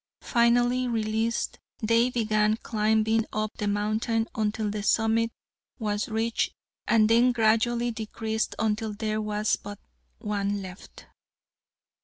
Finally released, they began climbing up the mountain until the summit was reached and then gradually decreased until there was but one left.